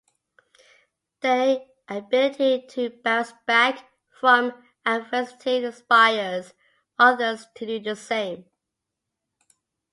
Their ability to bounce back from adversity inspires others to do the same.